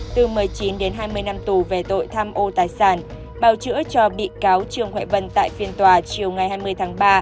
từ một mươi chín đến hai mươi năm tù về tội tham ô tài sản bào chữa cho bị cáo trương huệ vân tại phiên tòa chiều ngày hai mươi tháng ba